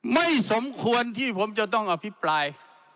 ไม่สมควรที่ผมจะต้องอภิปราย